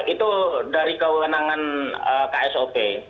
itu dari kewenangan ksop